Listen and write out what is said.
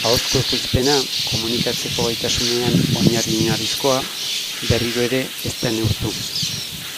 Ahozko ekoizpena, komunikatzeko gaitasunean oinarri-oinarrizkoa, berriro ere ez da neurtu.